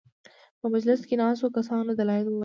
په مجلس کې ناستو کسانو دلایل وویل.